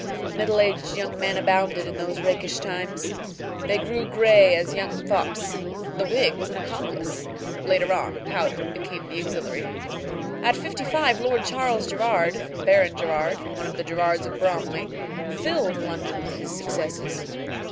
Middle aged young men abounded in those rakish times. They grew gray as young fops. The wig was an accomplice: later on, powder became the auxiliary. At fifty five Lord Charles Gerrard, Baron Gerrard, one of the Gerrards of Bromley, filled London with his successes.